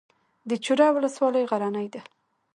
د چوره ولسوالۍ غرنۍ ده